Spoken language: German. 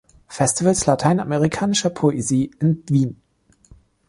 Festivals Lateinamerikanischer Poesie" in Wien.